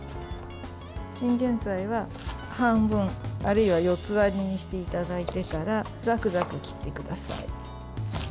チンゲンサイは半分、あるいは四つ割りにしていただいてからざくざく切ってください。